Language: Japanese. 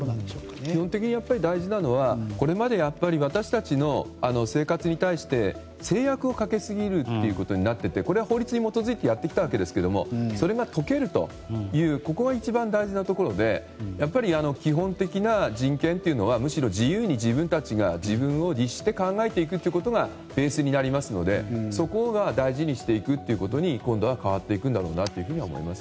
基本的に大事なのはこれまで、私たちの生活に対して制約をかけすぎることになっていて法律に基づいてやってきたわけですがそれが解けるとここが一番大事なところで基本的な人権というのはむしろ自由に自分たちが自分を律して考えていくことがベースになりますのでそこが大事にしていくことに今度は変わっていくんだと思います。